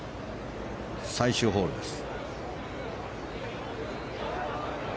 最終ホールです。